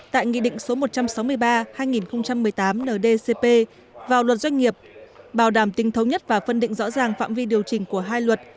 tại nghị định số một trăm sáu mươi ba hai nghìn một mươi tám ndcp vào luật doanh nghiệp bảo đảm tình thống nhất và phân định rõ ràng phạm vi điều chỉnh của hai luật